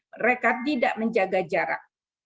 mereka tidak menjaga jarak